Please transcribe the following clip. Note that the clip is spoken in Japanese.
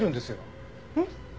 えっ？